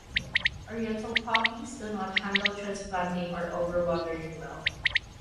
Oriental Poppies do not handle transplanting or over-watering well.